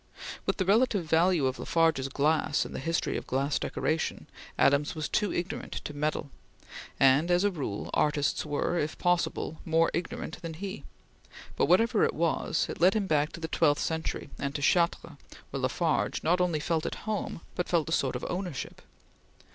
With the relative value of La Farge's glass in the history of glass decoration, Adams was too ignorant to meddle, and as a rule artists were if possible more ignorant than he; but whatever it was, it led him back to the twelfth century and to Chartres where La Farge not only felt at home, but felt a sort of ownership.